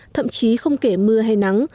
thậm chí không kể mưa hay nắng